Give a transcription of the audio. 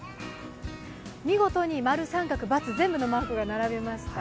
見事に○、△、×、全部のマークが並びました。